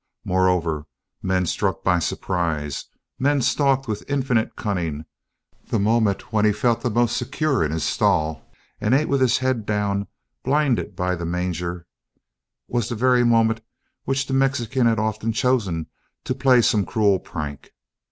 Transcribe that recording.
Moreover, men struck by surprise, men stalked with infinite cunning; the moment when he felt most secure in his stall and ate with his head down, blinded by the manger, was the very moment which the Mexican had often chosen to play some cruel prank.